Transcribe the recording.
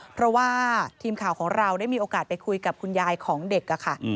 เพราะว่าทีมข่าวของเราได้มีโอกาสไปคุยกับคุณยายของเด็กค่ะ